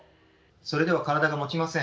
それでは体がもちません。